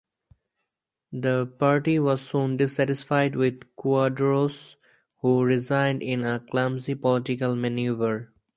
The party was soon dissatisfied with Quadros, who resigned in a clumsy political maneuver.